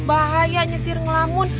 bahaya nyetir ngelamun